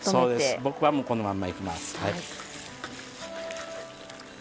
僕はこのまんまいきます。